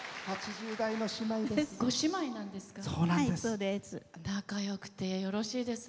８０代の姉妹です。